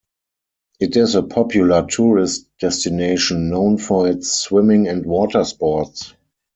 It is a popular tourist destination known for its swimming and water sports.